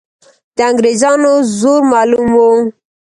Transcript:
د انګریزانو زور معلوم وو.